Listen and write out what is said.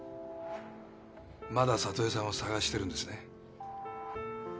まだ小都恵さんを捜してるんですね。